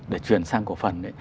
để truyền sang cổ phần ấy